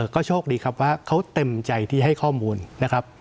ก็โชคดีครับว่าเขาเต็มใจที่ให้ข้อมูลนะครับ